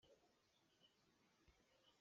Nan hri sauh tuah.